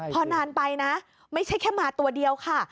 พอนานไปนะไม่ใช่แค่มาตัวเดียวค่ะ